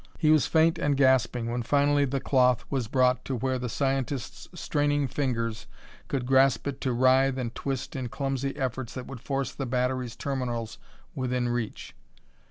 He was faint and gasping when finally the cloth was brought where the scientist's straining fingers could grasp it to writhe and twist in clumsy efforts that would force the battery's terminals within reach.